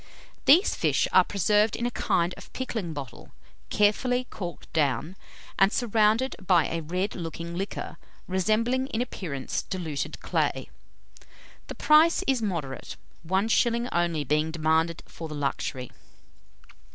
These fish are preserved in a kind of pickling bottle, carefully corked down, and surrounded by a red looking liquor, resembling in appearance diluted clay. The price is moderate, one shilling only being demanded for the luxury.